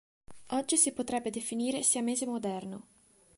Oggi si potrebbe definire "Siamese moderno".